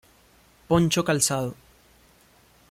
Poncho calzado.